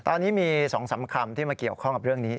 ตอนนี้มี๒๓คำที่มาเกี่ยวข้องกับเรื่องนี้